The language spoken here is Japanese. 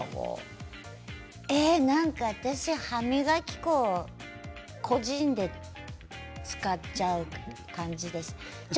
私は歯磨き粉を個人で使っちゃう感じですね。